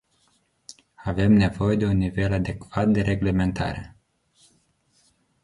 Avem nevoie de un nivel adecvat de reglementare.